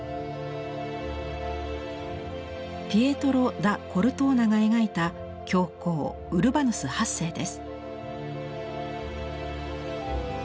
ピエトロ・ダ・コルトーナが描いた教皇ウルバヌス８世です。